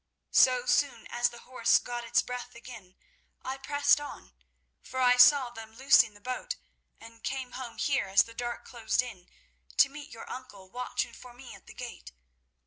So soon as the horse got its breath again, I pressed on, for I saw them loosing the boat, and came home here as the dark closed in, to meet your uncle watching for me at the gate.